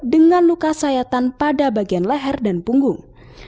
dengan luka sayatan pada bagian leher dan punggung